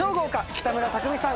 北村匠海さん